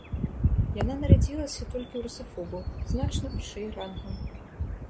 Яна нарадзілася толькі ў русафобаў, значна вышэй рангам.